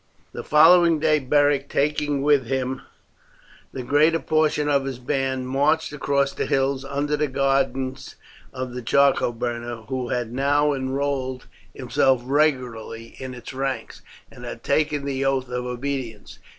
The following day Beric, taking with him the greater portion of his band, marched across the hills under the guidance of the charcoal burner, who had now enrolled himself regularly in its ranks, and had taken the oath of obedience.